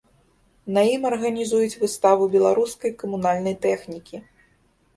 На ім арганізуюць выставу беларускай камунальнай тэхнікі.